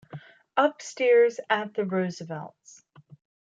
"Upstairs at the Roosevelts".